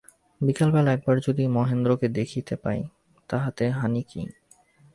বিকাল বেলা একবার যদি মহেন্দ্রকে দেখিতে পাই তাহাতে হানি কী।